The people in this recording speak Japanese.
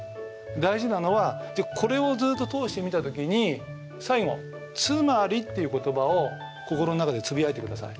大事なのはこれをずっと通して見た時に最後「つまり」っていう言葉を心の中でつぶやいてください。